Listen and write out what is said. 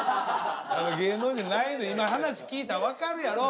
芸能人ないの今話聞いたら分かるやろ。